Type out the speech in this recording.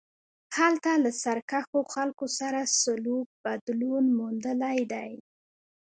هلته له سرکښو خلکو سره سلوک بدلون موندلی دی.